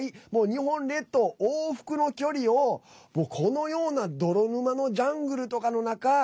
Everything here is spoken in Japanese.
日本列島往復の距離をこのような泥沼のジャングルとかの中。